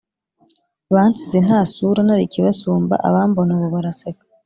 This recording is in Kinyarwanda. Bansize nta sura Nari ikibasumba Abambona ubu baraseka